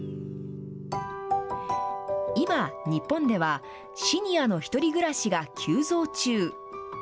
今、日本では、シニアのひとり暮らしが急増中。